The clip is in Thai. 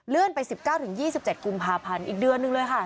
ไป๑๙๒๗กุมภาพันธ์อีกเดือนหนึ่งเลยค่ะ